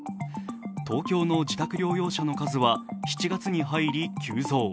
東京の自宅療養者の数は７月に入り急増。